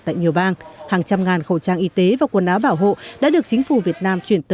tại nhiều bang hàng trăm ngàn khẩu trang y tế và quần áo bảo hộ đã được chính phủ việt nam chuyển tới